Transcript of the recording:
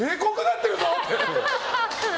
って。